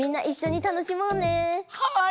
はい！